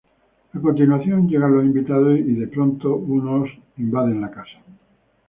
A continuación llegan los invitados, y de pronto, unos zombis invaden a la casa.